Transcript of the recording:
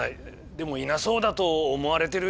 でもいなそうだと思われてる以上は。